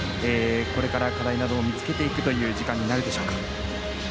これから、課題などを見つけていく時間になるでしょうか。